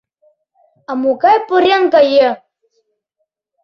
А могай пурен каен?